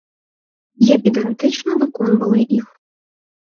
Я педантычна выконвала іх.